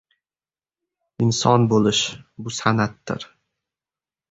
Inson bo‘lish — bu san’atdir.